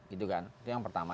itu kan itu yang pertama